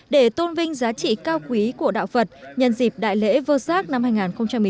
để tôn vinh giá trị cao quý của đạo phật nhân dịp đại lễ vơ sát năm hai nghìn một mươi chín